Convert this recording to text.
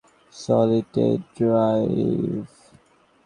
Solid state drive.